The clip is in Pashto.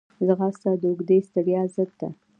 ځغاسته د اوږدې ستړیا ضد ده